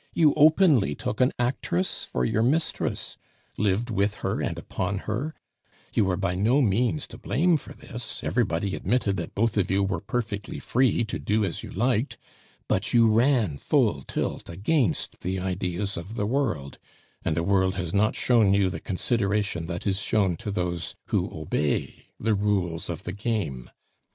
You openly took an actress for your mistress, lived with her and upon her; you were by no means to blame for this; everybody admitted that both of you were perfectly free to do as you liked; but you ran full tilt against the ideas of the world, and the world has not shown you the consideration that is shown to those who obey the rules of the game.